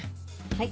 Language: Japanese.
はい。